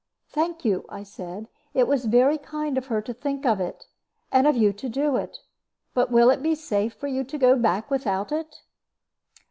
"Thank you," I said; "it was very kind of her to think of it, and of you to do it. But will it be safe for you to go back without it?"